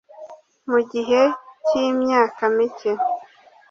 Mu gihe cyimyaka mike